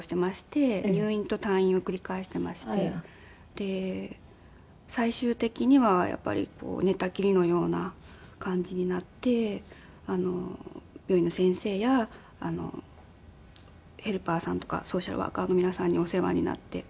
で最終的にはやっぱりこう寝たきりのような感じになって病院の先生やヘルパーさんとかソーシャルワーカーの皆さんにお世話になって。